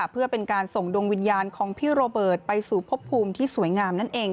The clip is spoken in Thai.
เพื่อเป็นการส่งดวงวิญญาณของพี่โรเบิร์ตไปสู่พบภูมิที่สวยงามนั่นเอง